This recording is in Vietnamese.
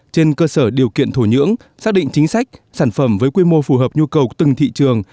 trên cơ sở điều kiện thổ nhưỡng xác định chính sách sản phẩm với quy mô phù hợp nhu cầu từng thị trường